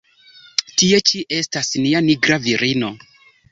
Tie ĉi estas nia nigra virino!